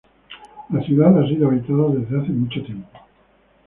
La ciudad ha sido habitada desde hace mucho tiempo.